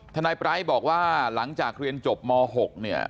นายปร้ายบอกว่าหลังจากเรียนจบม๖เนี่ย